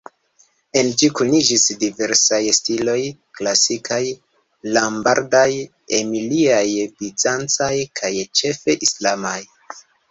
En ĝi kuniĝis diversaj stiloj, klasikaj, lombardaj-emiliaj, bizancaj kaj ĉefe islamaj.